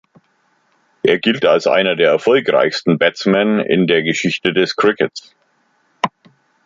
Er gilt als einer der erfolgreichsten Batsmen in der Geschichte des Crickets.